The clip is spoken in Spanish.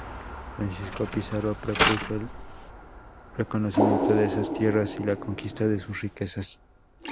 Francisco Pizarro propuso el reconocimiento de esas tierras y la conquista de sus riquezas.